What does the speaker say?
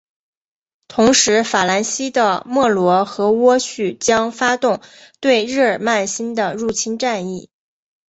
同时法兰西的莫罗和喔戌将发动对日耳曼新的入侵战役。